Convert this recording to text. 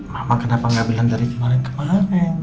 mama kenapa nggak bilang dari kemarin kemarin